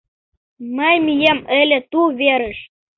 Мый мием ыле ту верыш